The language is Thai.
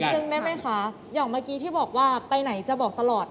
นึกได้ไหมคะอย่างเมื่อกี้ที่บอกว่าไปไหนจะบอกตลอด